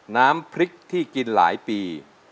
น้ำพริกที่กินหลายปี